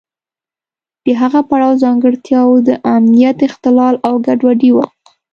د هغه پړاو ځانګړتیاوې د امنیت اخلال او ګډوډي وه.